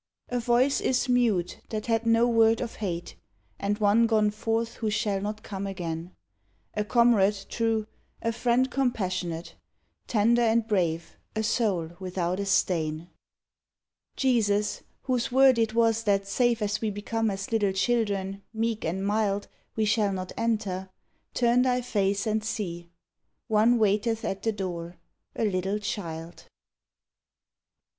A voice is mute that had no word of hate, And one gone forth who shall not come again A comrade true, a friend compassionate; Tender and brave, a soul without a stain. Jesus, whose word it was that save as we Become as little children, meek and mild, We shall not enter, turn Thy face and see : One waiteth at the door, a little child!